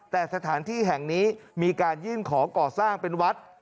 แต่สถานที่แห่งนี้มีการยื่นขอก่อสร้างเป็นวัด